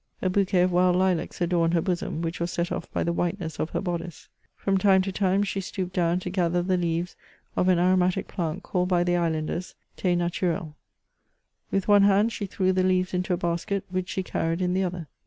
A bouquet of wild lilacs adorned her bosom, which was set off by the whiteness of her boddice. From time to time she stooped down to gather the leaves of an aromatic plant, called by the islanders Thi natureL With one hand she threw the leaves into a basket, which she carried in the other.